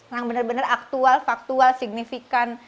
yang bener bener aktual faktual signifikan